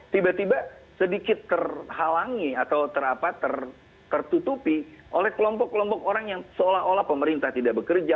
tiba tiba sedikit terhalangi atau tertutupi oleh kelompok kelompok orang yang seolah olah pemerintah tidak bekerja